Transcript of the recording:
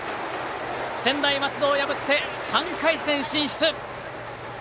専大松戸を破って３回戦進出！